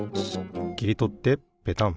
きりとってペタン。